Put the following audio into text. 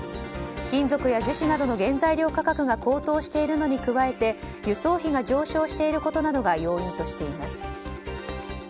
金属や樹脂などの原材料価格が高騰しているのに加えて輸送費が上昇していることなどが要因としています。